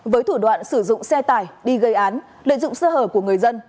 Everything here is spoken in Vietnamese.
với thủ đoạn sử dụng xe tải đi gây án lợi dụng sơ hở của người dân